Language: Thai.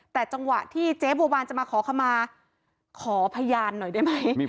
แต่จังหวะที่เจ๊บัววานจะมาขอขมาขอพยานหน่อยได้ไหม